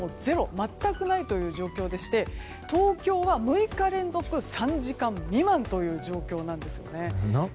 全くない状況でして東京は６日連続３時間未満という状況です。